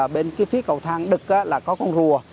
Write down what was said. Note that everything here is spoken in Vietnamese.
bên phía cầu thang đực là có con rùa